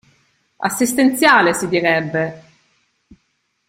Assistenziale si direbbe.